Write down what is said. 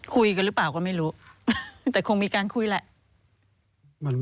คุยกันหรือเปล่าก็ไม่รู้แต่คงมีการคุยแหละ